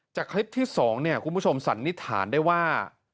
จากคลิปที่๒คุณผู้ชมสันนิษฐานได้ว่า